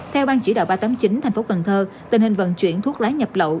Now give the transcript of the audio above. theo ban chỉ đạo ba trăm tám mươi chín thành phố cần thơ tình hình vận chuyển thuốc lá nhập lậu